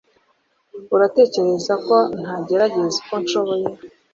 Uratekereza ko ntagerageza uko nshoboye